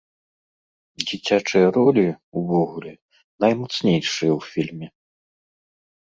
Дзіцячыя ролі, увогуле, наймацнейшыя ў фільме.